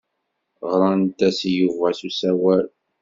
Ɣrant-as i Yuba s usawal.